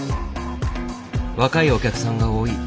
若いお客さんが多い。